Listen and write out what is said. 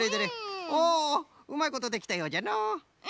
おうまいことできたようじゃのう。